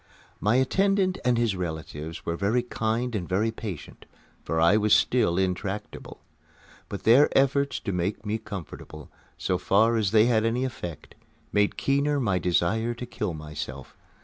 My attendant and his relatives were very kind and very patient, for I was still intractable. But their efforts to make me comfortable, so far as they had any effect, made keener my desire to kill myself.